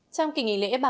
trong kỳ nghỉ lễ